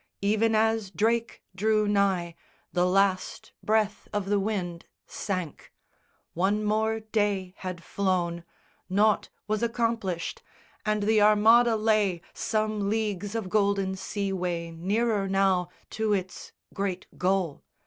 Even as Drake drew nigh, the last Breath of the wind sank. One more day had flown, Nought was accomplished; and the Armada lay Some leagues of golden sea way nearer now To its great goal.